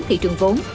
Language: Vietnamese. thị trường vốn